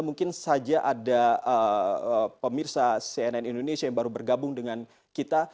mungkin saja ada pemirsa cnn indonesia yang baru bergabung dengan kita